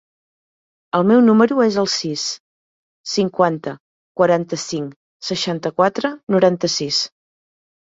El meu número es el sis, cinquanta, quaranta-cinc, seixanta-quatre, noranta-sis.